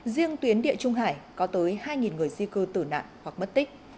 riêng tuyến địa trung hải có tới hai người di cư tử nạn hoặc mất tích